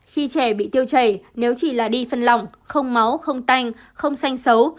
khi trẻ bị tiêu chảy nếu chỉ là đi phân lỏng không máu không tanh không xanh xấu